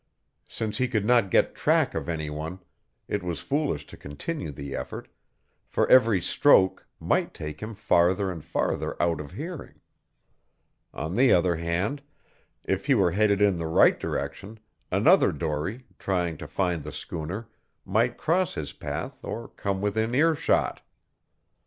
Since he could not get track of any one, it was foolish to continue the effort, for every stroke might take him farther and farther out of hearing. On the other hand, if he were headed in the right direction, another dory, trying to find the schooner, might cross his path or come within earshot.